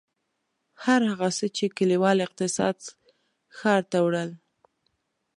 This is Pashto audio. هر هغه څه چې کلیوال اقتصاد ښار ته وړل.